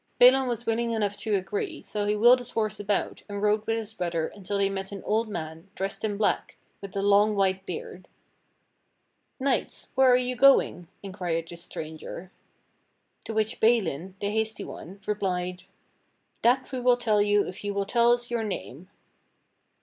Balin was willing enough to agree, so he wheeled his horse about and rode with his brother until they met an old man, dressed in black, with a long white beard. "Knights, where are you going.?" inquired this stranger. To which Balin, the hasty one, replied: "That we will tell you if you will tell us your name."